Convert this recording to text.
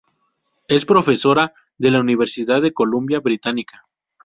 Es profesora en la Universidad de Columbia Británica.